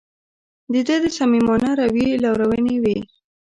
د ده د صمیمانه رویې لورونې وې.